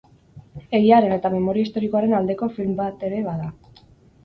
Egiaren eta memoria historikoaren aldeko film bat ere bada.